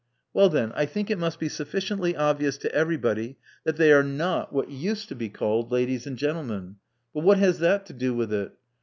Well then, I think it must be sufficiently obvious to everybody that they are not what used to be called ladies and gentlemen. But what has that to do with it?